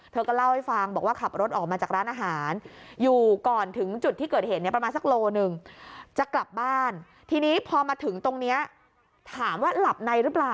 เธอก็เล่าให้ฟังบอกว่าขับรถออกมาจากร้านอาหาร